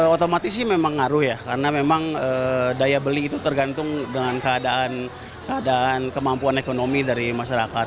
otomatis sih memang ngaruh ya karena memang daya beli itu tergantung dengan keadaan kemampuan ekonomi dari masyarakat